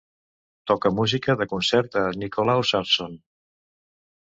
Toca música de concert de Nicholaus Arson.